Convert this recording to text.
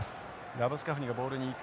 ラブスカフニがボールに行く。